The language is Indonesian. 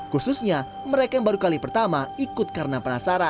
khususnya mereka yang baru kali pertama ikut karena penasaran